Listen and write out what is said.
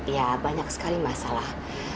ya banyak sekali masalah